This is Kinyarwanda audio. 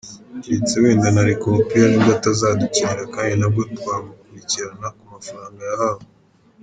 Keretse wenda nareka umupira nibwo atazadukinira kandi na bwo twamukurikirana ku mafaranga yahawe.